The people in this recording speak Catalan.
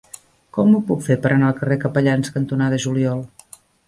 Com ho puc fer per anar al carrer Capellans cantonada Juliol?